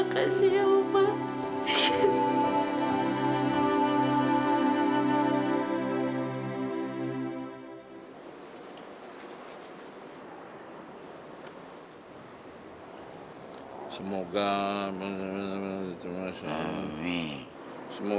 kasmatnya belum pernah dipeluk sama ibu